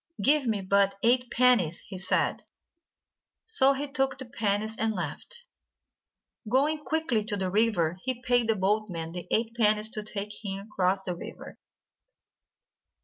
"Give me but eight pennies," he said. So he took the pennies, and left. Going quickly to the river, he paid the boatman the eight pennies to take him across the river.